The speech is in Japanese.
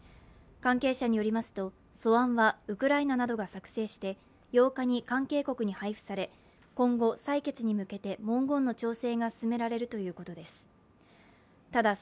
関係者によりますと、素案はウクライナなどが作成して８日に関係国に配布され今後、採決に向けて文言の調整が進められるということです。